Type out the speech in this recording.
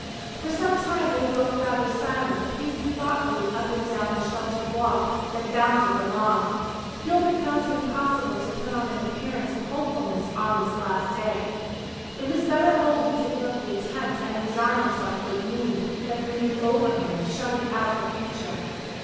For some time they were both rather silent, pacing thoughtfully up and down the sheltered walk that bounded the lawn. Gilbert found it impossible to put on an appearance of hopefulness on this last day. It was better wholly to give up the attempt, and resign himself to the gloom that brooded over him, shutting out the future.